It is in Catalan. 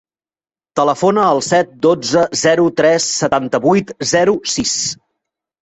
Telefona al set, dotze, zero, tres, setanta-vuit, zero, sis.